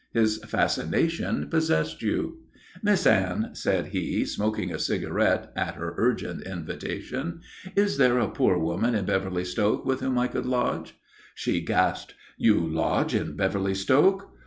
His fascination possessed you. "Miss Anne," said he, smoking a cigarette, at her urgent invitation, "is there a poor woman in Beverly Stoke with whom I could lodge?" She gasped. "You lodge in Beverly Stoke?"